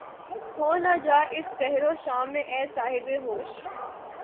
کھو نہ جا اس سحر و شام میں اے صاحب ہوش